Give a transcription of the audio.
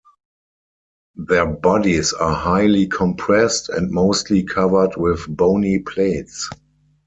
Their bodies are highly compressed, and mostly covered with bony plates.